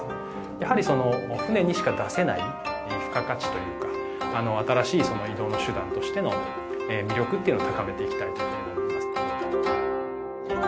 やはりその船にしか出せない付加価値というか新しい移動の手段としての魅力っていうのを高めていきたいと思います。